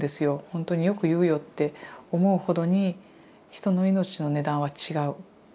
ほんとによく言うよ！って思うほどに人の命の値段は違う。